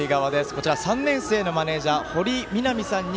こちら３年生のマネージャーほりいみなみさんに